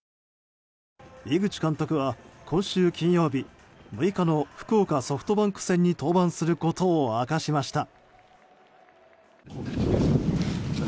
井口監督は今週金曜日、６日の福岡ソフトバンク戦に登板することを明かしました。